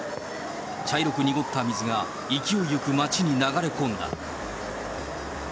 茶色く濁った水が勢いよく町に流れ込んだ。